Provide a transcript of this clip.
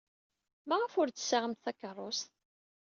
Maɣef ur d-tessaɣemt takeṛṛust?